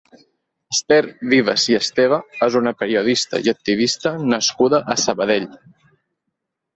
Esther Vivas i Esteve és una periodista i activista nascuda a Sabadell.